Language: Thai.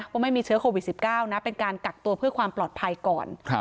ว่าไม่มีเชื้อโควิด๑๙นะเป็นการกักตัวเพื่อความปลอดภัยก่อน